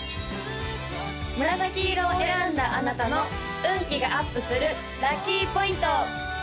紫色を選んだあなたの運気がアップするラッキーポイント！